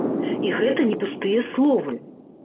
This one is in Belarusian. І гэта не пустыя словы.